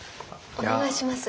お願いします。